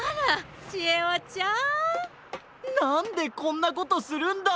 なんでこんなことするんだ！？